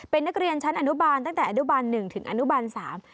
เป็นนักเรียนชั้นอนุบาลตั้งแต่อนุบาลหนึ่งถึงอนุบาลสาม